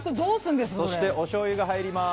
そしておしょうゆが入ります。